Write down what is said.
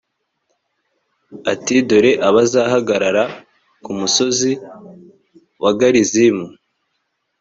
ati«dore abazahagarara ku musozi wa garizimu.